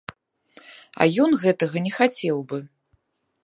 А ён гэтага не хацеў бы.